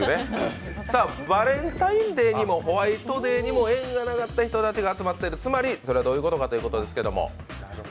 バレンタインデーにもホワイトデーにも縁のなかった人たちが集まっているつまり、それはどういうことかということですけれども。